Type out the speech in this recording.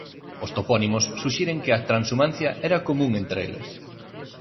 Os topónimos suxiren que a transhumancia era común entre eles.